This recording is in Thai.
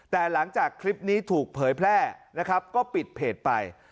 แต่หลังจากคลิปนี้ถูกเผยแพร่นะครับก็ปิดเพจไป